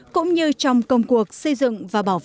cũng như trong công cuộc xây dựng